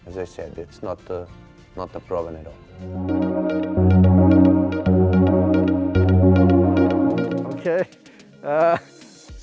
ผมกลับกินทุกอย่างไม่เป็นปัญหา